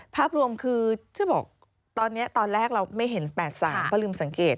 ภาพรวมคือจะบอกตอนนี้ตอนแรกเราไม่เห็น๘๓ก็ลืมสังเกต